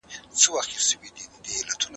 ټول خلګ لويې جرګي ته ګوري.